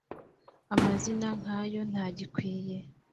amazina nka yo ntagikwiye,